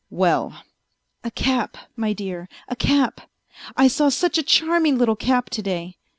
" Well." "A cap, my dear, a cap; I saw such a charming little cap to day.